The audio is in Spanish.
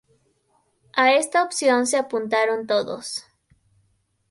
A esta opción se apuntaron todos.